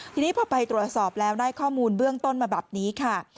ทีนี้พอไปตรวจสอบแล้วได้ข้อมูลเบื้องต้นมาแบบนี้ค่ะ